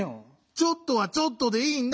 「ちょっと」は「ちょっと」でいいんだ！